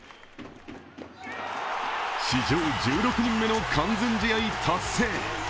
史上１６人目の完全試合達成。